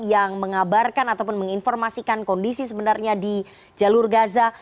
yang mengabarkan ataupun menginformasikan kondisi sebenarnya di jalur gaza